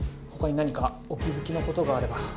他に何かお気付きのことがあれば。